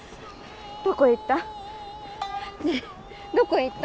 どこへ行った？